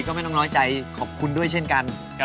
ก็ไม่ต้องน้อยใจขอบคุณด้วยเช่นกัน